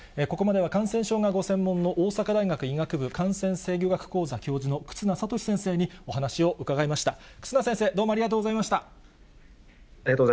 ここまでは感染症がご専門の大阪大学医学部感染制御学講座教授の忽那賢志先生にお話を伺いました。